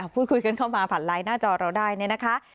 พูดคุยกันเข้ามาผ่านไลน์หน้าจอเราได้เนี่ยนะคะ